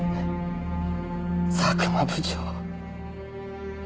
佐久間部長。